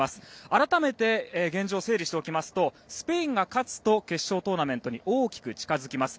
改めて現状を整理しておきますとスペインが勝つと決勝トーナメントに大きく近づきます。